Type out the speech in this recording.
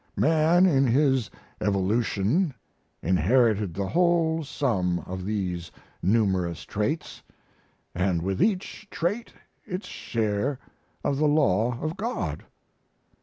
Man, in his evolution, inherited the whole sum of these numerous traits, and with each trait its share of the law of God.